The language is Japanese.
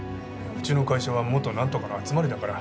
うちの会社は元なんとかの集まりだから。